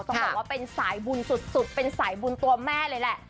ต้องบอกว่าเป็นสายบุญสุดเป็นสายบุญตัวแม่เลยแหละ